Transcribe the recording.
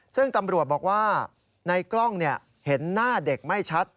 ซึ่งตำรวจบอกว่าในกล้องเห็นหน้าเด็กไม่ชัด